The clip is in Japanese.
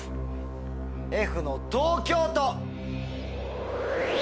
Ｆの東京都。